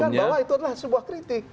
katakan bahwa itu adalah sebuah kritik